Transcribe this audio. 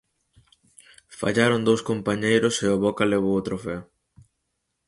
Fallaron dous compañeiros e o Boca levou o trofeo.